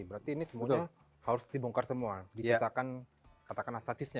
berarti ini semua harus dibongkar semua disisakan asasisnya